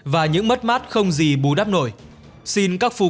và những mất mát không gì bú đắp nổi